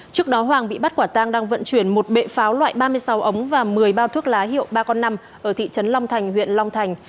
trước đó hoàng bị bắt quả tang đang vận chuyển một bệ pháo loại ba mươi sáu ống và một mươi bao thuốc lá hiệu ba con năm ở thị trấn long thành huyện long thành